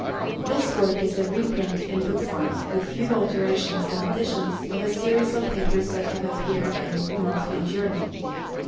This Work is a reprint in book form, with a few alterations and additions, of a series of papers that have appeared in "The Monthly Journal."